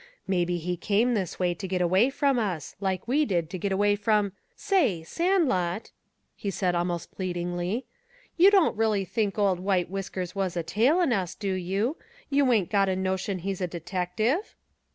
Maybe he come this way to get away from us, like we did to get away from say! Sandlot," he said almost pleadingly, "you don't really think old White Whiskers was a trailin' us, do you? You ain't got a notion he's a detective?"